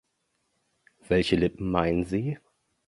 Welche Lippen meinen Sie?